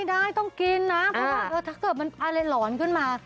ได้ต้องกินนะเพราะว่าถ้าเกิดมันอะไรหลอนขึ้นมา